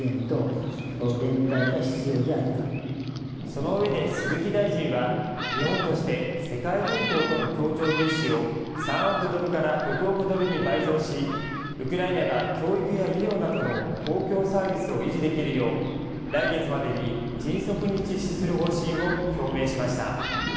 そのうえで鈴木大臣は日本として世界銀行との協調融資を３億ドルから６億ドルに倍増しウクライナが教育や医療などの公共サービスを維持できるよう来月までに迅速に実施する方針を表明しました。